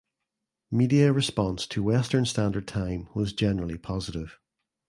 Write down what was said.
Media response to "Western Standard Time" was generally positive.